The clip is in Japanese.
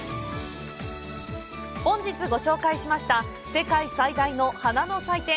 本日ご紹介しました世界最大の花の祭典